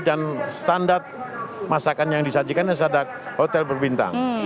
dan standar masakan yang disajikan adalah hotel berbintang